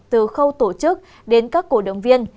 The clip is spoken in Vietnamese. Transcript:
từ khâu tổ chức đến các cổ động viên